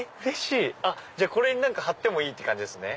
これに貼ってもいいんですね。